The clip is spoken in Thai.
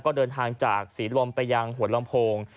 ก็เดินทางจากศรีลมไปยังหัวลำโพง